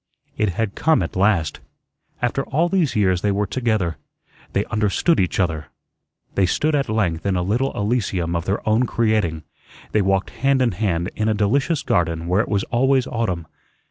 It had come at last. After all these years they were together; they understood each other. They stood at length in a little Elysium of their own creating. They walked hand in hand in a delicious garden where it was always autumn.